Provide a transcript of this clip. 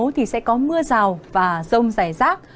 thì sẽ có mưa rào và rông rải rác